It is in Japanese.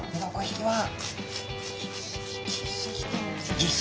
鱗引きは。